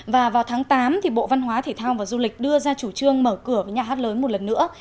và vào tháng tám bộ văn hóa thể thao và du lịch đưa ra chủ trương mở cửa với nhà hát lớn một lần nữa